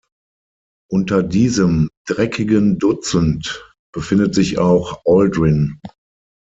Unter diesem „dreckigen Dutzend“ befindet sich auch Aldrin.